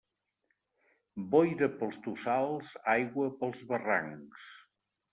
Boira pels tossals, aigua pels barrancs.